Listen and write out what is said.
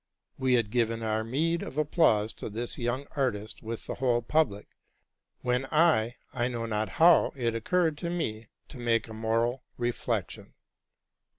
We had given our meed of applause to this young artist with the whole public, when, I know not how, it occurred to me to make a moral reflection.